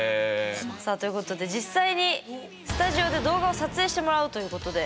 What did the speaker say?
さあということで実際にスタジオで動画を撮影してもらうということで。